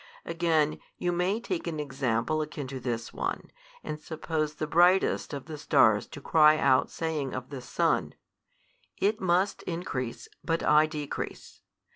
Again you may take an example akin to this one, and suppose the brightest of the stars to cry out saying of the sun, It must increase, but I decrease.